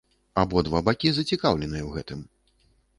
Абодва бакі зацікаўленыя ў гэтым.